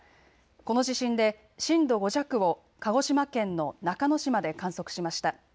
この地震で震度５弱を鹿児島県の中之島で観測しました。